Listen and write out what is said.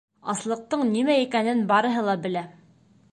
Аслыҡтың нимә икәнен барыһы ла белә.